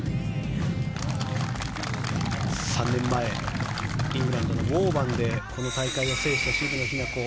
３年前イングランドのウォーバンでこの大会を制した渋野日向子